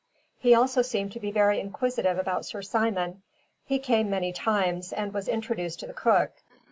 He also seemed to be very inquisitive about Sir Simon. He came many times, and was introduced to the cook.